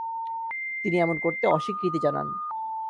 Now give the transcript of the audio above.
তিনি এমন করতে অস্বীকৃতি জানান।